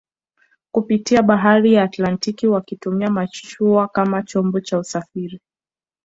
kupitia bahari ya Atlantiki wakitumia mashua kama chombo cha usafiri